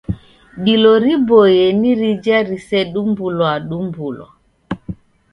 Dilo riboie ni rija mrisedumbulwadumbulwa.